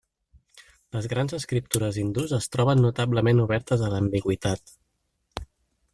Les grans escriptures hindús es troben notablement obertes a l'ambigüitat.